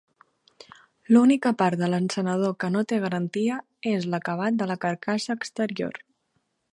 L'única part de l'encenedor que no té garantia és l'acabat de la carcassa exterior.